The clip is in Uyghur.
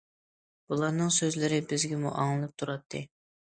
بۇلارنىڭ سۆزلىرى بىزگىمۇ ئاڭلىنىپ تۇراتتى.